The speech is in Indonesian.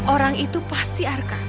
orang itu pasti arka